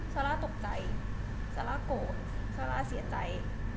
สาราตกใจสาราโกรธสาราเสียใจ